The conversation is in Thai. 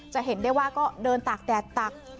จะเห็นได้ว่าก็เดินตากแดดตัก